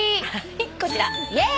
はいこちら！